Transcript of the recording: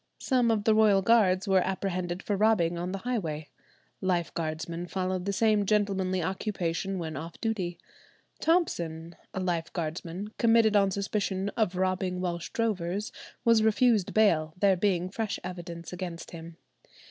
Some of the royal guards were apprehended for robbing on the highway. Lifeguardsmen followed the same gentlemanly occupation when off duty. Thompson, a lifeguardsman, committed on suspicion of robbing Welsh drovers, was refused bail, there being fresh evidence against him.